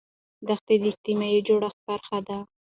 دښتې د اجتماعي جوړښت برخه ده.